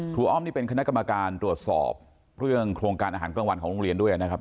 อ้อมนี่เป็นคณะกรรมการตรวจสอบเรื่องโครงการอาหารกลางวันของโรงเรียนด้วยนะครับ